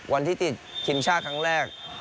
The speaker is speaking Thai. วันที่ติดทีมชาติครั้งแรก